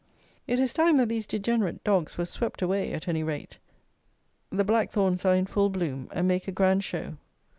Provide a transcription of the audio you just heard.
It is time that these degenerate dogs were swept away at any rate. The Blackthorns are in full bloom, and make a grand show.